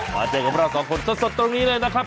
มาเจอกับเราสองคนสดตรงนี้เลยนะครับ